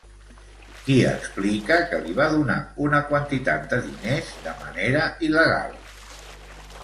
Qui explica que li va donar una quantitat de diners de manera il·legal?